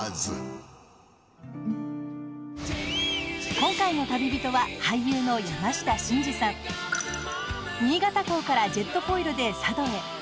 今回の旅人は新潟港からジェットフォイルで佐渡へ。